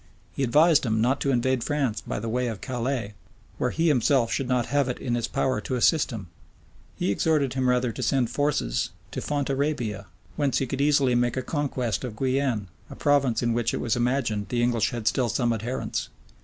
He advised him not to invade France by the way of Calais, where he himself should not have it in his power to assist him: he exhorted him rather to send forces to Fontarabia, whence he could easily make a conquest of Guienne, a province in which it was imagined the English had still some adherents.